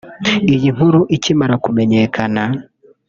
Iyi nkuru ikimara kumenyakana